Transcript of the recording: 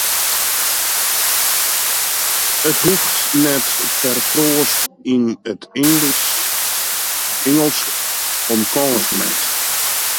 It hoecht net perfoarst yn it Ingelsk om kâns te meitsjen.